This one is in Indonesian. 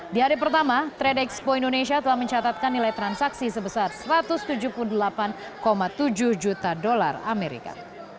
di hari pertama trade expo indonesia telah mencatatkan nilai transaksi sebesar satu ratus tujuh puluh delapan tujuh juta dolar amerika